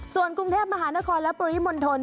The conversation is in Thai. ส่วนกรุงเทพมหานครและปริมณฑล